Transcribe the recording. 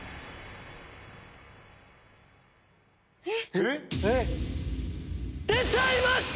えっ⁉出ちゃいました‼